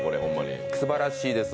すばらしいです。